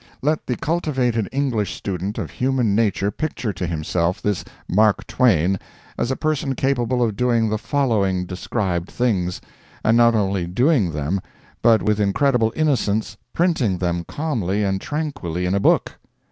Let the cultivated English student of human nature picture to himself this Mark Twain as a person capable of doing the following described things—and not only doing them, but with incredible innocence printing them calmly and tranquilly in a book.